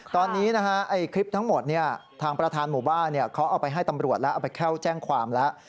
ตอนนี้นะฮะคลิปทั้งหมดทางประธานหมู่บ้านเขาเอาไปให้ตำรวจแล้วเอาไปเข้าแจ้งความแล้ว